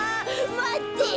まってよ！